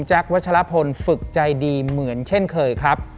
วัชลพลฝึกใจดีเหมือนเช่นเคยครับ